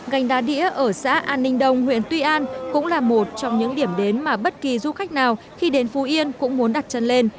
gành đá đĩa ở xã an ninh đông huyện tuy an cũng là một trong những điểm đến mà bất kỳ du khách nào khi đến phú yên cũng muốn đặt chân lên